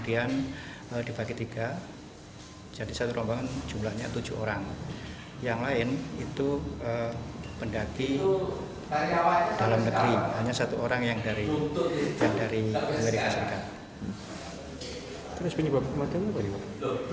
di bapak kematian bapak